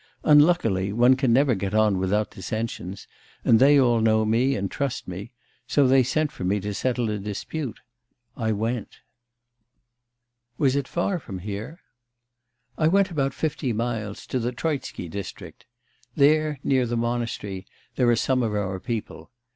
Unluckily, one can never get on without dissensions, and they all know me, and trust me; so they sent for me to settle a dispute. I went.' 'Was it far from here?' 'I went about fifty miles, to the Troitsky district. There, near the monastery, there are some of our people.